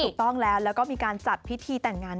ถูกต้องแล้วแล้วก็มีการจัดพิธีแต่งงาน